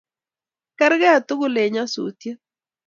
Kerkei tugul eng nyasutiet